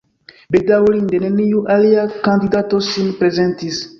Bedaŭrinde neniu alia kandidato sin prezentis.